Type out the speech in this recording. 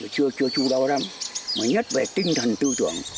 chưa chui đâu lắm mà nhất về tinh thần tư tưởng